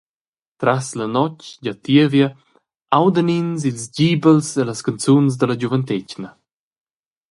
Tras la notg gia tievia audan ins ils gibels e las canzuns dalla giuventetgna.